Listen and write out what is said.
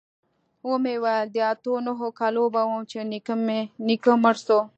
ومې ويل د اتو نهو کالو به وم چې نيکه مړ سو.